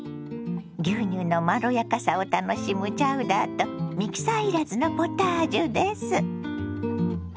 牛乳のまろやかさを楽しむチャウダーとミキサー要らずのポタージュです。